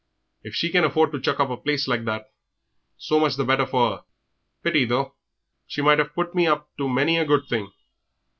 If she can afford to chuck up a place like that, so much the better for 'er. Pity, though; she might 'ave put me up to many a good thing."